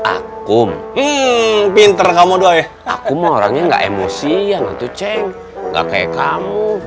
akum pinter kamu doi aku mau orangnya enggak emosi yang itu ceng gak kayak kamu